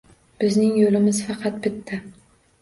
Bizning yo'limiz faqat bitta.